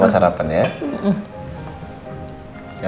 bapak sarapan ya